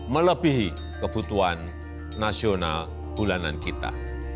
melebihi kebutuhan nasional bulanan kita